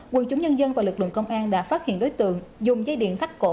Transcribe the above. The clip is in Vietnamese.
quân chúng nhân dân và lực lượng công an đã phát hiện đối tượng dùng dây điện thách cổ